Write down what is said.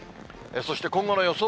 そして今後の予想